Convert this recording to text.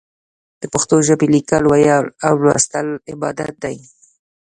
د پښتو ژبې ليکل، ويل او ولوستل عبادت دی.